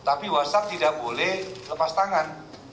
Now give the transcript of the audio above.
tapi whatsapp tidak boleh lepas tangan